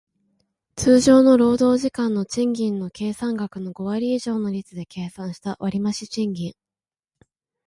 通常の労働時間の賃金の計算額の五割以上の率で計算した割増賃金